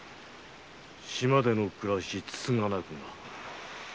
島での暮らしつつがなくな。